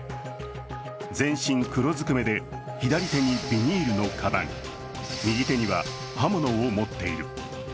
全身黒ずくめで左手にビニールのかばん、右手には刃物を持っている。